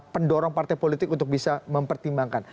pendorong partai politik untuk bisa mempertimbangkan